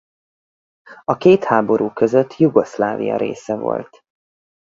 A két háború között Jugoszlávia része volt.